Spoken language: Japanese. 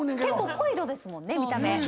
結構濃い色ですもんね見た目。